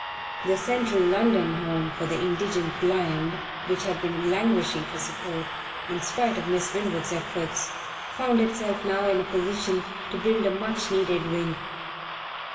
The Central London Home for the Indigent Blind, which had been languishing for support, in spite of Miss Winwood's efforts, found itself now in a position to build a much needed wing.